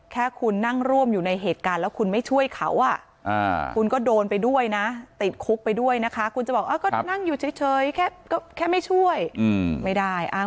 แค่คุณนั่งร่วมอยู่ในเหตุการณ์แล้วคุณไม่ช่วยเขาอ่ะ